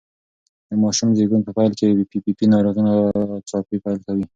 د ماشوم زېږون په پیل کې پي پي پي ناروغي ناڅاپي پیل کوي.